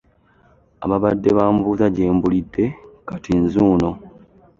Ababadde bambuuza gye mbulidde kati nzuuno.